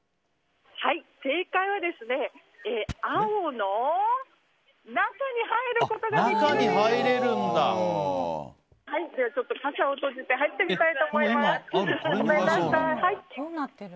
正解は、青の中に入ることができるです！